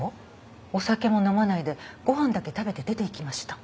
お酒も飲まないでご飯だけ食べて出て行きました。